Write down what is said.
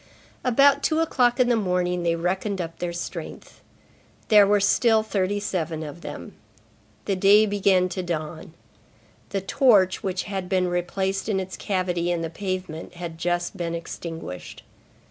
About two o'clock in the morning, they reckoned up their strength. There were still thirty seven of them. The day began to dawn. The torch, which had been replaced in its cavity in the pavement, had just been extinguished.